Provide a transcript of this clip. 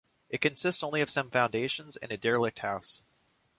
It consists only of some foundations and a derelict house.